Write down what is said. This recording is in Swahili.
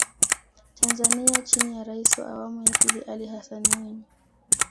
Tanzania chini ya Rais wa awamu ya pili Ali Hassan Mwinyi